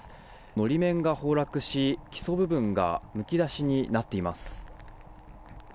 法面が崩落し、基礎部分がむき出しになっています。